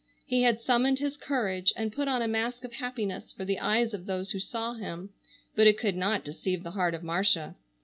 He had summoned his courage and put on a mask of happiness for the eyes of those who saw him, but it could not deceive the heart of Marcia.